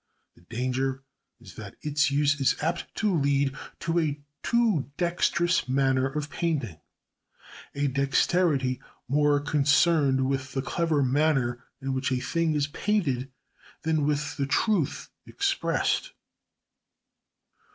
The danger is that its use is apt to lead to a too dexterous manner of painting; a dexterity more concerned with the clever manner in which a thing is painted than with the truth expressed.